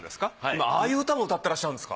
今ああいう歌も歌ってらっしゃるんですか。